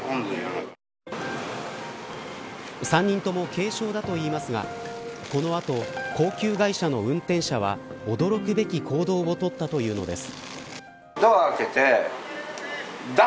３人とも軽傷だといいますがこの後、高級外車の運転者は驚くべき行動を取ったというのです。